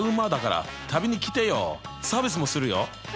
サービスもするよ？